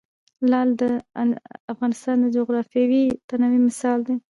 لعل د افغانستان د جغرافیوي تنوع مثال دی.